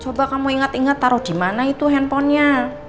coba kamu inget inget taruh dimana itu handphonenya